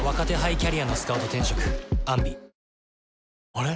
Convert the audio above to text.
あれ？